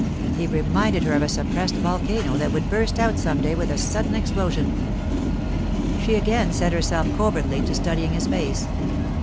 He reminded her of a suppressed volcano that would burst out some day with a sudden explosion. She again set herself covertly to studying his face.